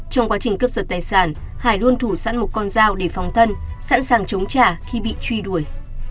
trong quá trình cấp giật tài sản hải luôn thủ sẵn một con dao để phòng thân sẵn sàng chống trả khi bị truy đuổi